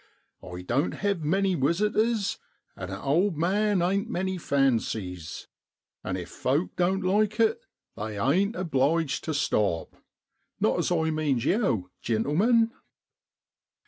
I doan't hev many wisitors, and a owd man ain't many fancies; an' if folk doan't like it they ain't obliged to stop, not as I means yow, gintlemen.'